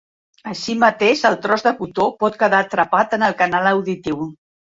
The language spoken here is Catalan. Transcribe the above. Així mateix, el tros de cotó pot quedar atrapat en el canal auditiu.